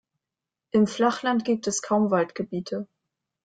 Im Flachland gibt es kaum Waldgebiete.